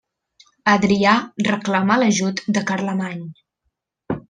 Adrià reclamà l'ajut de Carlemany.